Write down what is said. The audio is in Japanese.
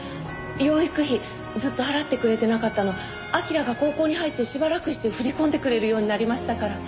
養育費ずっと払ってくれてなかったの彬が高校に入ってしばらくして振り込んでくれるようになりましたから。